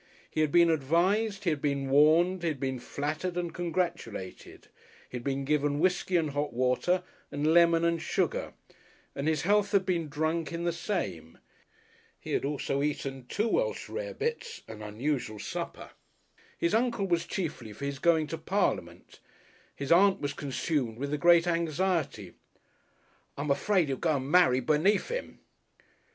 He had been advised, he had been warned, he had been flattered and congratulated, he had been given whiskey and hot water and lemon and sugar, and his health had been drunk in the same. He had also eaten two Welsh Rabbits an unusual supper. His Uncle was chiefly for his going into Parliament, his Aunt was consumed with a great anxiety. "I'm afraid he'll go and marry beneath 'im."